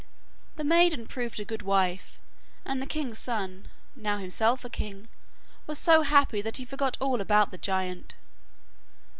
The maiden proved a good wife, and the king's son, now himself a king, was so happy that he forgot all about the giant.